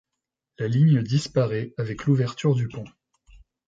La ligne disparaît avec l'ouverture du pont.